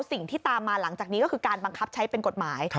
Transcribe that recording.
สิ่งที่ตามมาหลังจากนี้ก็คือการบังคับใช้เป็นกฎหมาย